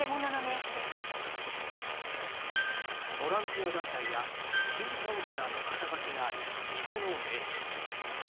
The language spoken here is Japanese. ボランティア団体や心理カウンセラーの肩書がある偽の名刺。